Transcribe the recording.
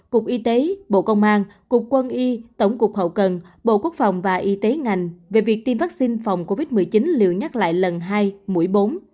cục y tế bộ công an cục quân y tổng cục hậu cần bộ quốc phòng và y tế ngành về việc tiêm vaccine phòng covid một mươi chín liều nhắc lại lần hai mũi bốn